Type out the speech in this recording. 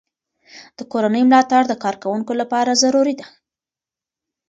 د کورنۍ ملاتړ د کارکوونکو لپاره ضروري دی.